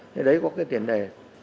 thì đấy có cái tiền đề